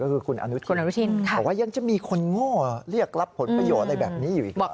เมื่อวานมธ๑ก็พูดได้เผ็ดมัน